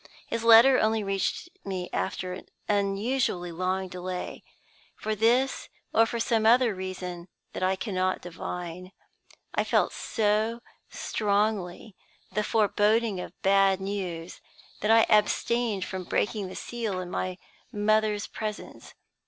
His letter only reached me after an unusually long delay. For this, or for some other reason that I cannot divine, I felt so strongly the foreboding of bad news that I abstained from breaking the seal in my mother's presence.